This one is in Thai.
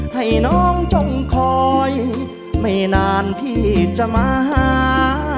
ให้น้องจงคอยไม่นานพี่จะมาหา